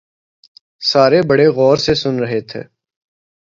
سارے بڑے غور سے سن رہے تھے